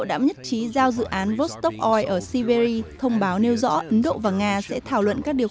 đã nhất trí giao dự án vostok oi ở siberia thông báo nêu rõ ấn độ và nga sẽ thảo luận các điều